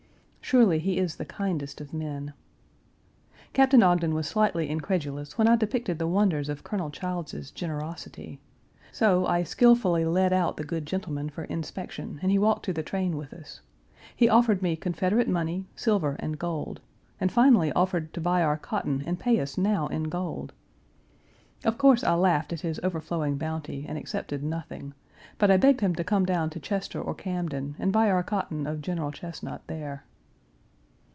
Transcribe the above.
Surely he is the kindest of men. Captain Ogden was slightly incredulous when I depicted the wonders of Colonel Childs's generosity. So I skilfully led out the good gentleman for inspection, and he walked to the train with us. He offered me Confederate money, silver, and gold; and finally offered to buy our cotton and pay us now in gold. Of course, I laughed at his overflowing bounty, and accepted nothing; but I begged him to come down to Chester or Camden and buy our cotton of General Chesnut there.